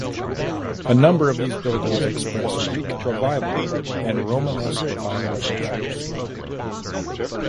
A number of these building express Greek Revival and Romanesque Revival features.